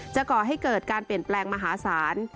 ก่อให้เกิดการเปลี่ยนแปลงมหาศาล